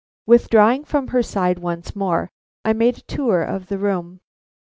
Withdrawing from her side once more, I made a tour of the room.